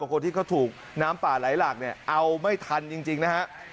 คนที่เขาถูกน้ำป่าไหลหลากเนี่ยเอาไม่ทันจริงนะฮะ